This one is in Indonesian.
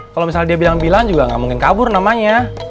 kalau misalnya dia bilang bilang juga nggak mungkin kabur namanya